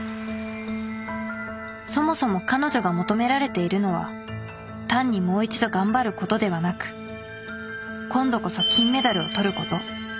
そもそも彼女が求められているのは単にもう一度頑張ることではなく今度こそ金メダルを獲ること。